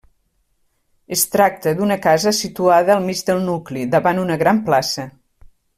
Es tracta d'una casa situada al mig del nucli, davant una gran plaça.